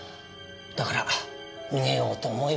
だから逃げようと思えば。